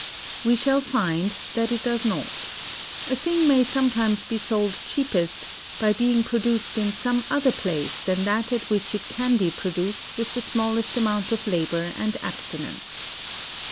We shall find that it does not. A thing may sometimes be sold cheapest, by being produced in some other place than that at which it can be produced with the smallest amount of labor and abstinence.